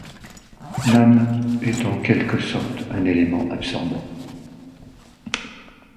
NaN est en quelque sorte un élément absorbant.